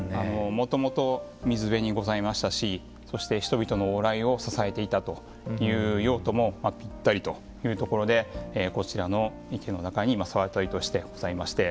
もともと水辺にございましたしそして人々の往来を支えていたという用途もぴったりというところでこちらの池の中に沢渡としてございまして。